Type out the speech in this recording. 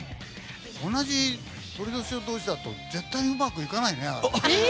同じ酉年同士だと絶対うまくいかないね。